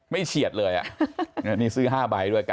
ไม่เฉียดเลย